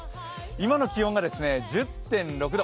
今の気温が１０．６度。